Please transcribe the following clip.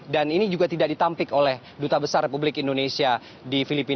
dan ini juga tidak ditampik oleh duta besar republik indonesia di filipina